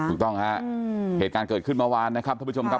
ถูกต้องฮะเหตุการณ์เกิดขึ้นเมื่อวานนะครับท่านผู้ชมครับ